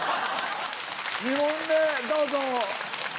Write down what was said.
２問目どうぞ！